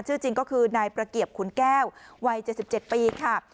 ชื่อจริงก็คือนายประเกียบขุนแก้ววัย๗๗ปีค่ะ